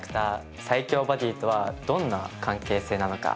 最強バディとはどんな関係性なのか